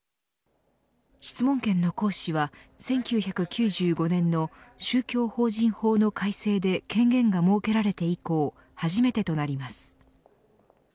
質問権の行使は１９９５年の宗教法人法の改正で権限が設けられて以降初めてとなります。